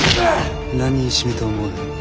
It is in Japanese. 何人死ぬと思う？え？